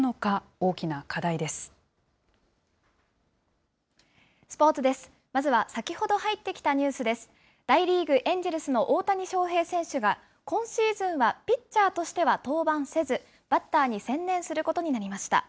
大リーグ・エンジェルスの大谷翔平選手が、今シーズンはピッチャーとしては登板せず、バッターに専念することになりました。